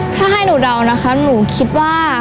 ถ้าให้หนูเดานะคะหนูคิดว่า